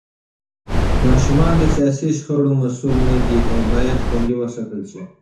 ماشومان د سياسي شخړو مسوول نه دي او بايد خوندي وساتل شي.